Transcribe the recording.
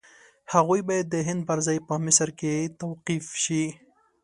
هغوی باید د هند پر ځای په مصر کې توقیف شي.